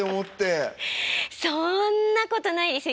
そんなことないですよ。